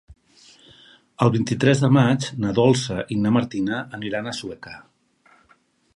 El vint-i-tres de maig na Dolça i na Martina aniran a Sueca.